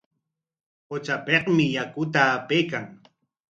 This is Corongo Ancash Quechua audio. Qutrapikmi yakuta apaykan.